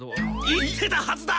言ってたはずだ！